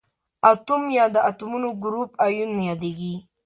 اتوم یا د اتومونو ګروپ ایون یادیږي.